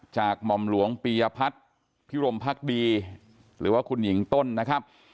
หม่อมหลวงปียพัฒน์พิรมพักดีหรือว่าคุณหญิงต้นนะครับ